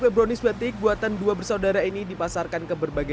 kue brownies batik buatan dua bersaudara ini dipasarkan keberbunyian